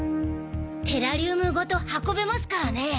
テラリュームごと運べますからね。